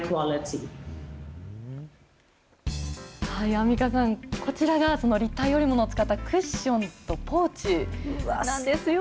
アンミカさん、こちらが、その立体織物を使ったクッションとポーチなんですよ。